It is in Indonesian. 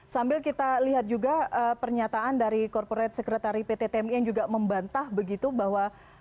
sambil kita lihat juga pernyataan dari corporate secretary pt tmi yang juga membantah begitu bahwa